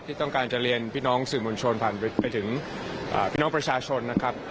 ที่ต้องการจะเรียนพี่น้องสื่อมวลชนผ่านไปถึงพี่น้องประชาชนนะครับ